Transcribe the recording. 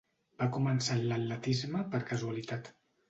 Va començar en l'atletisme per casualitat.